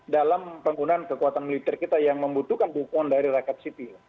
dalam penggunaan kekuatan militer kita yang membutuhkan dukungan dari rakyat sipil